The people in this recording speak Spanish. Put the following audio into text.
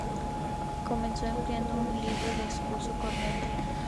Comenzó empleando un libro de uso corriente.